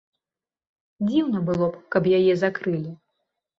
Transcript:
Дзіўна было б, каб яе закрылі.